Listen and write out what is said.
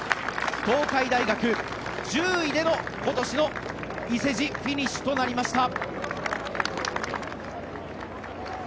東海大学、１０位での今年の伊勢路フィニッシュとなりました。